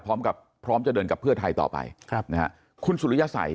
พร้อมกับพร้อมจะเดินกับเพื่อไทยต่อไปครับนะฮะคุณสุริยสัย